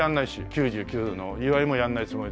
９９の祝いもやんないつもりです。